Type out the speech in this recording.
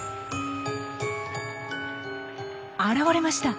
現れました。